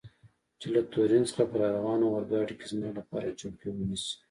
چې له تورین څخه په راروانه اورګاډي کې زما لپاره چوکۍ ونیسي.